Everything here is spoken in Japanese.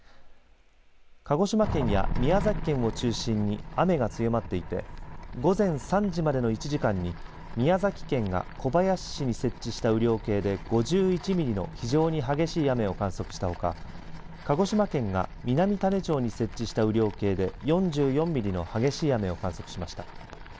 鹿児島県や宮崎県を中心に雨が強まっていて午前３時までの１時間に宮崎県が小林市に設置した雨量計で５１ミリの非常に激しい雨を観測したほか鹿児島県が南種子町に設置した雨量計で４４ミリの激しい雨を観測しました。